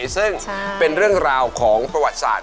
ซึ่งเป็นเรื่องราวของประวัติศาสต